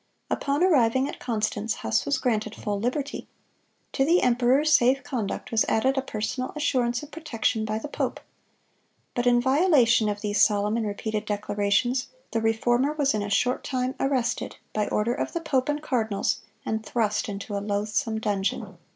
Upon arriving at Constance, Huss was granted full liberty. To the emperor's safe conduct was added a personal assurance of protection by the pope. But in violation of these solemn and repeated declarations, the Reformer was in a short time arrested, by order of the pope and cardinals, and thrust into a loathsome dungeon.